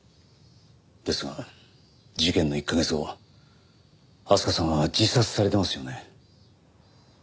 ですが事件の１カ月後明日香さんは自殺されてますよね。